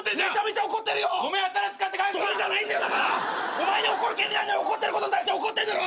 お前に怒る権利ないのに怒ってることに対して怒ってんだろ！